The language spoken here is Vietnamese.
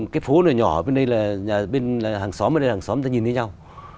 cái phố này nhỏ bên đây là nhà bên là hàng xóm ở đây là hàng xóm ta nhìn thấy nhau